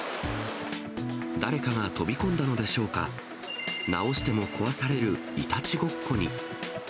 誰かが飛び込んだのでしょうか、直しても壊されるいたちごっこに。